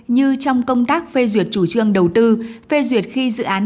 như trong công tác phê duyệt chủ trương đầu tư phê duyệt khi dự án